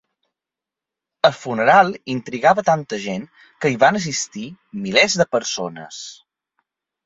El funeral intrigava tanta gent que hi van assistir milers de persones.